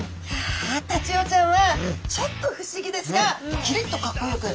タチウオちゃんはちょっと不思議ですがきりっとかっこよく！